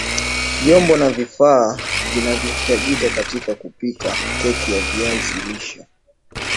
Vyombo na vifaa vinavyahitajika katika kupika keki ya viazi lishe